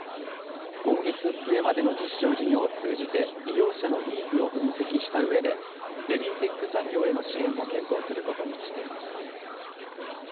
今月末までの実証事業を通じて利用者のニーズを分析したうえでベビーテック産業への支援も検討することにしています。